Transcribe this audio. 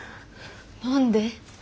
何で？